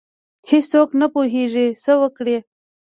هیڅ څوک نه پوهیږي څه وکړي.